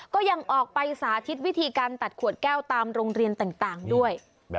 ก็ยังออกไปสาธิตวิธีการตัดขวดแก้วตามโรงเรียนต่างด้วย